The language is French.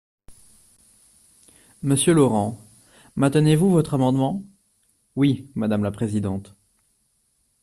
Monsieur Laurent, maintenez-vous votre amendement ? Oui, madame la présidente.